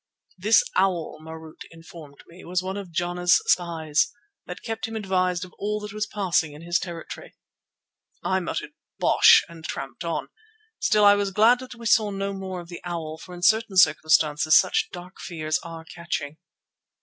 This owl, Marût informed me, was one of "Jana's spies" that kept him advised of all that was passing in his territory. I muttered "Bosh" and tramped on. Still I was glad that we saw no more of the owl, for in certain circumstances such dark fears are catching.